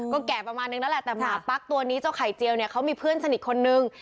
ก็แก่ประมาณนึงแล้วแหละแต่หมาปั๊กตัวนี้เจ้าไข่เจียวเนี่ยเขามีเพื่อนสนิทคนนึง